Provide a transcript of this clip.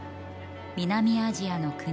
南アジアの国